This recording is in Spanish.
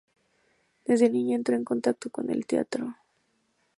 Desde niña entró en contacto con el teatro.